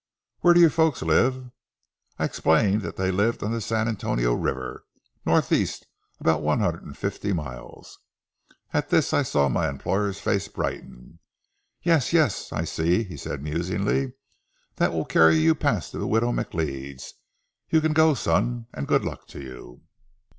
Where do your folks live?" I explained that they lived on the San Antonio River, northeast about one hundred and fifty miles. At this I saw my employer's face brighten. "Yes, yes, I see," said he musingly; "that will carry you past the widow McLeod's. You can go, son, and good luck to you."